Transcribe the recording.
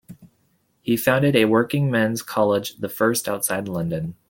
He founded a Working Men's College, the first outside London.